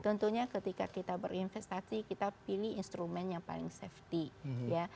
tentunya ketika kita berinvestasi kita pilih instrumen yang paling safety ya